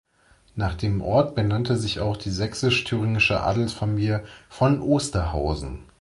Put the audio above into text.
Nach dem Ort benannte sich auch die sächsisch-thüringische Adelsfamilie "von Osterhausen".